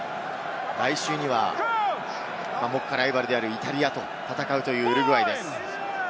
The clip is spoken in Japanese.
来週には目下ライバルであるイタリアと戦うというウルグアイです。